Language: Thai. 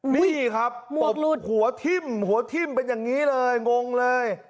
นี่ครับหัวทิ้งเป็นอย่างนี้เลยงงเลย